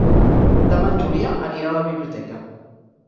Demà en Julià anirà a la biblioteca.